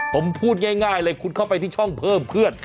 ผมพูดง่ายเลยคุณเข้าไปที่ช่องเพิ่มเพื่อน